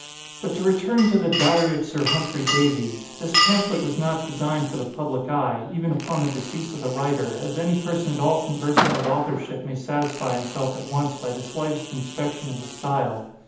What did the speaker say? But to return to the 'Diary' of Sir Humphrey Davy. This pamphlet was not designed for the public eye, even upon the decease of the writer, as any person at all conversant with authorship may satisfy himself at once by the slightest inspection of the style.